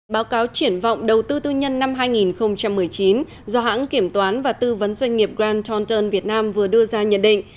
báo cáo triển vọng đầu tư tư nhân năm hai nghìn một mươi chín do hãng kiểm toán và tư vấn doanh nghiệp grand taunton việt nam vừa đưa ra nhận định